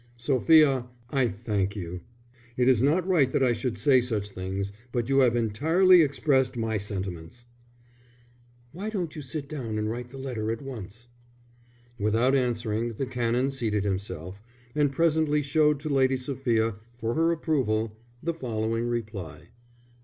"Sophia, I thank you. It is not right that I should say such things, but you have entirely expressed my sentiments." "Why don't you sit down and write the letter at once?" Without answering, the Canon seated himself, and presently showed to Lady Sophia, for her approval, the following reply.